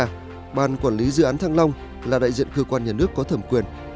công an quản lý dự án thăng long là đại diện cơ quan nhà nước có thẩm quyền